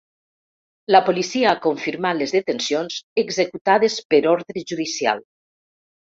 La policia ha confirmat les detencions, executades per ordre judicial.